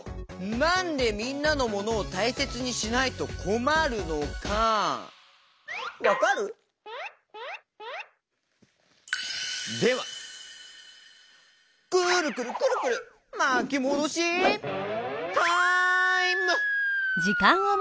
なんでみんなのモノをたいせつにしないとこまるのかわかる？ではくるくるくるくるまきもどしタイム！